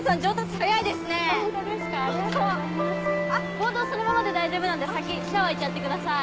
あっボードそのままで大丈夫なんで先シャワー行っちゃってください。